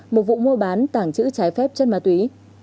một vụ mua bán tảng chữ trái phép chất ma túy